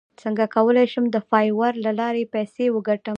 څنګه کولی شم د فایور له لارې پیسې وګټم